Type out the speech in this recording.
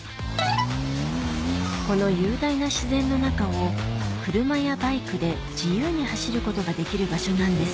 この雄大な自然の中を車やバイクで自由に走ることができる場所なんです